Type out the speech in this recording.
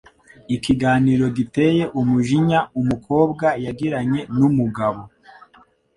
Ikiganiro giteye umujinya umukobwa yagiranye n'umugabo